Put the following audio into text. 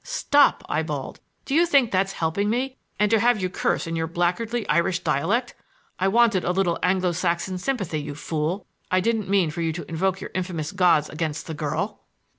"Stop!" I bawled. "Do you think that's helping me? And to have you curse in your blackguardly Irish dialect! I wanted a little Anglo Saxon sympathy, you fool! I didn't mean for you to invoke your infamous gods against the girl!"